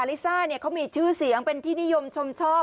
ลิซ่าเนี่ยเขามีชื่อเสียงเป็นที่นิยมชมชอบ